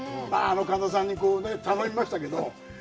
神田さんに頼みましたけど。